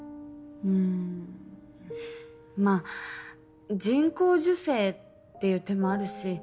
うーんまあ人工授精っていう手もあるし。